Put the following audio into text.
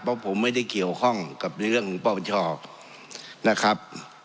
เพราะผมไม่ได้เกี่ยวข้องกับในเรื่องของปปชนะครับ